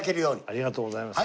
ありがとうございます。